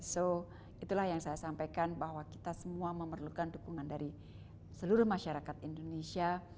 so itulah yang saya sampaikan bahwa kita semua memerlukan dukungan dari seluruh masyarakat indonesia